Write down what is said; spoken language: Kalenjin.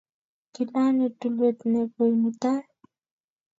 Kilanye tulwet nekoi mutai